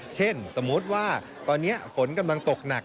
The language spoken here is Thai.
สมมุติว่าตอนนี้ฝนกำลังตกหนัก